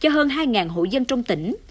cho hơn hai hộ dân trong tỉnh